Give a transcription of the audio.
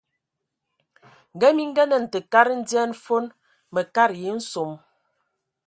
Ngə mi ngənan tə kad ndian fon, mə katəya nsom.